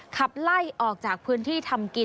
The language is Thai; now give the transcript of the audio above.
ขับไล่ออกจากพื้นที่ทำกิน